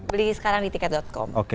beli sekarang di tiket com